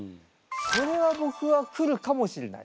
それは僕は来るかもしれない。